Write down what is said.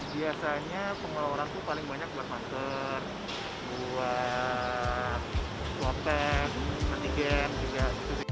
biasanya pengeluaran tuh paling banyak buat masker buat kotek manigen juga